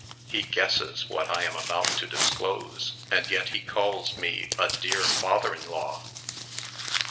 "He guesses what I am about to disclose, and yet calls me a dear father in law."